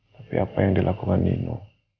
tapi apa yang dilakukan nino